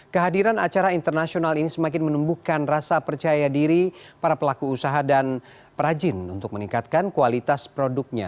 kehadiran acara internasional ini semakin menumbuhkan rasa percaya diri para pelaku usaha dan perajin untuk meningkatkan kualitas produknya